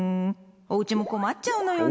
おうちも困っちゃうのよね。